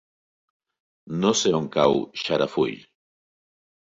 No sé on cau Xarafull.